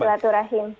jika tuhan turahin